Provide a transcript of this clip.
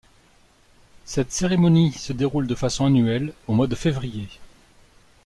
Cette cérémonie se déroule de façon annuelle au mois de février.